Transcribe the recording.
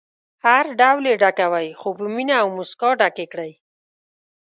هر ډول یې ډکوئ خو په مینه او موسکا ډکې کړئ.